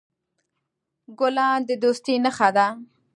ګلان د دوستی نښه ده.